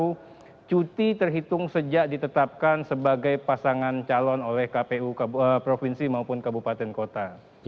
jadi kita sudah bisa mengatakan bahwa cuti terhitung sejak ditetapkan sebagai pasangan calon oleh kpu provinsi maupun kabupaten kota